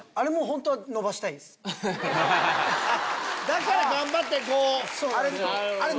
だから頑張ってこう。